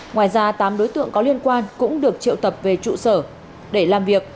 ngoài ra tám đối tượng có liên quan cũng được triệu tập về trụ sở để làm việc